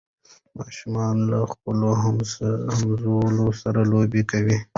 ماشومان له خپلو همزولو سره لوبې کوي.